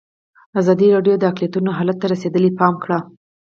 ازادي راډیو د اقلیتونه حالت ته رسېدلي پام کړی.